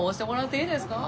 いいんですか？